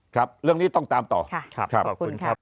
ครับเรื่องนี้ต้องตามต่อครับขอบคุณครับ